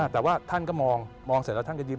แต่ว่าท่านก็มองมองเสร็จแล้วท่านก็ยิ